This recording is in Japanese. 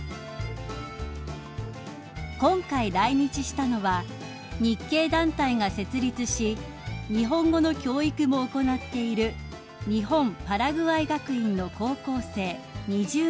［今回来日したのは日系団体が設立し日本語の教育も行っている日本パラグアイ学院の高校生２０人］